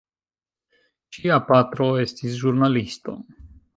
Ŝia patro estis ĵurnalisto.